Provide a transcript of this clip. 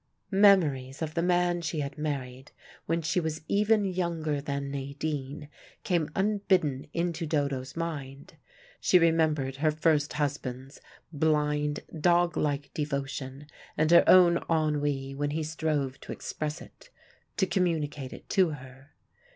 Memories of the man she had married when she was even younger than Nadine, came unbidden into Dodo's mind: she remembered her first husband's blind, dog like devotion and her own ennui when he strove to express it, to communicate it to her.